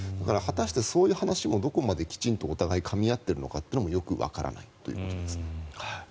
果たしてそういう話もどこまできちんとお互いかみ合っているのかもよくわからないということです。